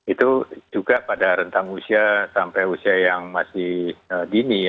itu juga pada rentang usia sampai usia yang masih dini